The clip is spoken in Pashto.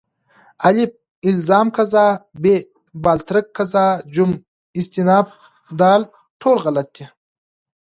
الف: الزام قضا ب: باالترک قضا ج: استیناف د: ټول غلط دي